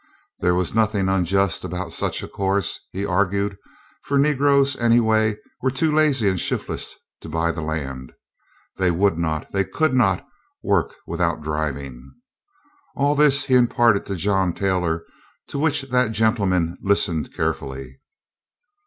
There was nothing unjust about such a course, he argued, for Negroes anyway were too lazy and shiftless to buy the land. They would not, they could not, work without driving. All this he imparted to John Taylor, to which that gentleman listened carefully.